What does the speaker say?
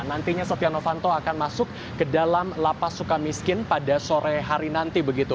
nantinya setia novanto akan masuk ke dalam lp sukamiskin pada sore hari nanti